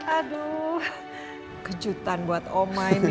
aduh kejutan buat om ma ini